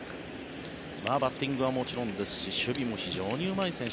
バッティングはもちろん守備も非常にうまい選手。